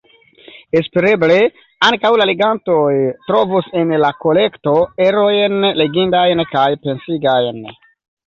Espereble ankaŭ la legantoj trovos en la kolekto erojn legindajn kaj pensigajn.¨